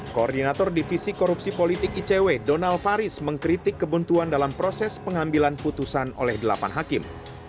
koordinator divisi korupsi politik icw donald faris mengkritik kebuntuan dalam proses pengambilan putusan oleh delapan hakim